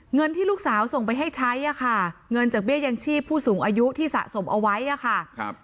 เงินที่ลูกสาวส่งไปให้ใช้อะค่ะเงินจากเบี้ยยังชีพผู้สูงอายุที่สะสมเอาไว้อะค่ะครับ